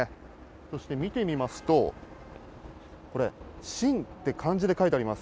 そして見てみますと、これ、秦って漢字で書いてあります。